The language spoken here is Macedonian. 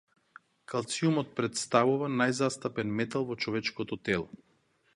Калциумот претставува најзастапен метал во човечкото тело.